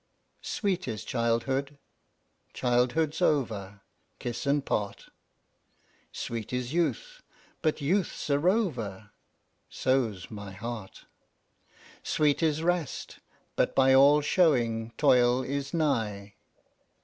Sweet is childhood childhood's over, Kiss and part. Sweet is youth; but youth's a rover So's my heart. Sweet is rest; but by all showing Toil is nigh.